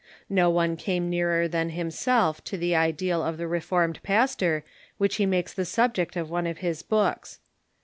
No one came nearer than himself to the ideal of the Re formed Pastor which he makes the subject of one of his books.